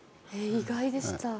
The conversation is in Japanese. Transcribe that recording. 意外でした。